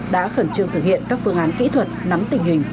đã khẩn trương thực hiện các phương án kỹ thuật nắm tình hình